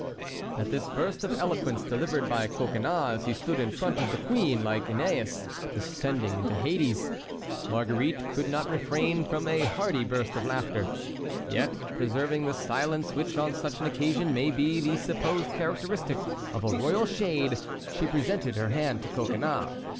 At this burst of eloquence delivered by Coconnas as he stood in front of the queen like Æneas descending into Hades, Marguerite could not refrain from a hearty burst of laughter, yet, preserving the silence which on such an occasion may be the supposed characteristic of a royal shade, she presented her hand to Coconnas.